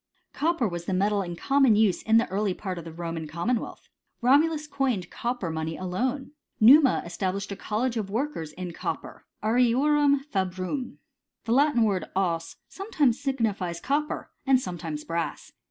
t Copper was the metal in common use in the early part of the Roman commonwealth. Romulus coined copper money alone. Numa established a college of workers in copper (arariorumfabrum),^ The Latin word <bs sometimes signifies copper, and sometimes brass.